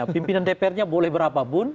pimpinan dpr nya boleh berapapun